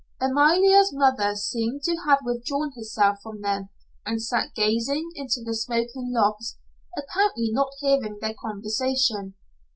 Amalia's mother seemed to have withdrawn herself from them and sat gazing into the smoking logs, apparently not hearing their conversation.